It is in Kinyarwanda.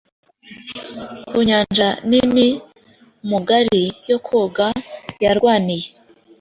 Ku nyanja nini-mugari yo koga yarwaniye